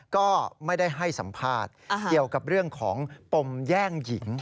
ก็ไม่ได้ให้สัมภาษณ์เกี่ยวกับเรื่องของปมแย่งหญิง